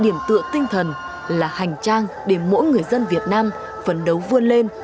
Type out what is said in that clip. điểm tựa tinh thần là hành trang để mỗi người dân việt nam phấn đấu vươn lên